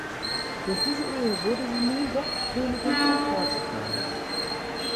Durch diese Ehe wurde sie nun doch Königin von Portugal.